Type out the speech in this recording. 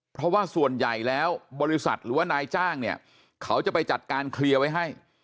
เพราะว่าส่วนใหญ่แล้วบริษัทหรือว่านายจ้างเนี่ยเขาจะไปจัดการเคลียร์ไว้ให้